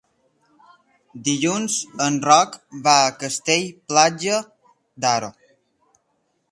Dilluns en Roc va a Castell-Platja d'Aro.